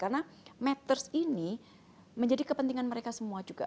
karena matters ini menjadi kepentingan mereka semua juga